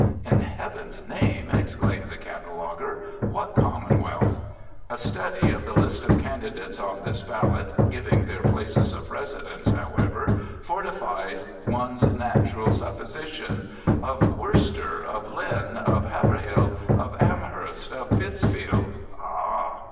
In heaven's name! exclaimed the cataloguer, what commonwealth? A study of the list of candidates on this ballot, giving their places of residence, however, fortified one's natural supposition "of Worcester, of Lynn, of Haverhill, of Amherst, of Pittsfield" ah!